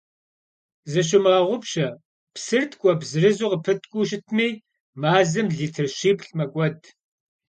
Zışumığeğupşe: psır tk'ueps zırızu khıpıtk'uu şıtmi, mazem litr şiplh' mek'ued.